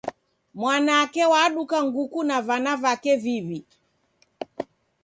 Mwanake waduka nguku na vana vake viw'i.